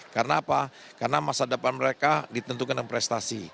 karena apa karena masa depan mereka ditentukan dengan prestasi